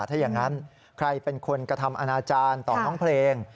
ถ้าอย่างนั้นใครเป็นคนกระทำอนาจารย์ต่อน้องเพลง